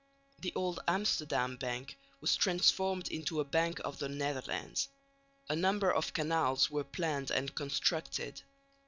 The old Amsterdam Bank was transformed into a Bank of the Netherlands. A number of canals were planned and constructed.